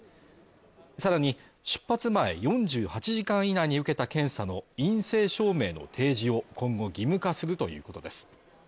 更に、出発前４８時間以内に受けた検査の陰性証明の提示を今後、義務化するということです。